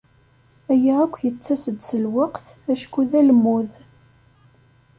Aya akk yettas-d s lweqt acku d almud.